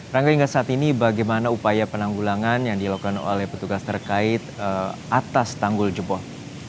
rangga hingga saat ini bagaimana upaya penanggulangan yang dilakukan oleh petugas terkait atas tanggul jebol